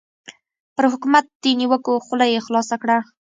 پر حکومت د نیوکو خوله یې خلاصه کړه.